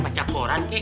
baca koran kek